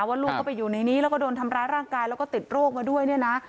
ลูกก็ไปอยู่ในนี้แล้วก็โดนทำร้ายร่างกายแล้วก็ติดโรคมาด้วยเนี่ยนะ